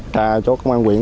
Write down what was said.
thà cho công an quyện